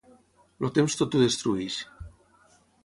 El temps tot ho destrueix.